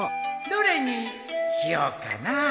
どれにしようかなあ